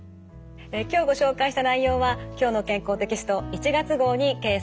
今日ご紹介した内容は「きょうの健康」テキスト１月号に掲載されています。